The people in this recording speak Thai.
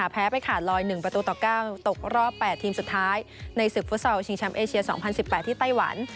ไปขาดลอย๑ประตูต่อ๙ตกรอบ๘ทีมสุดท้ายในศึกฟุตซอลชิงแชมป์เอเชีย๒๐๑๘ที่ไต้หวัน